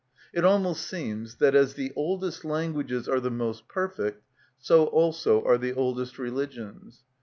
It almost seems that, as the oldest languages are the most perfect, so also are the oldest religions.